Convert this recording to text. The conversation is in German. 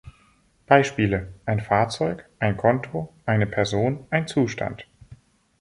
Beispiele: Ein Fahrzeug, ein Konto, eine Person, ein Zustand.